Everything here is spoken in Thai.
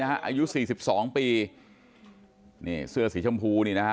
นะฮะอายุ๔๒ปีเนี่ยเสื้อสีชมพูเนี่ยนะฮะ